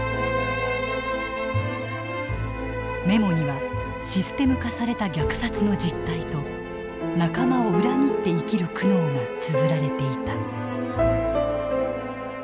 メモにはシステム化された虐殺の実態と仲間を裏切って生きる苦悩がつづられていた。